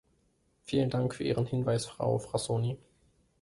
Vielen Dank für Ihren Hinweis, Frau Frassoni.